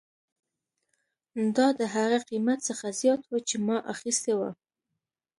دا د هغه قیمت څخه زیات و چې ما اخیستی و